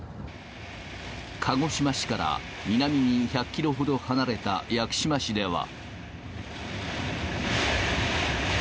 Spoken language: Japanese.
鹿児島市から南に１００キロほど離れた屋久島市では。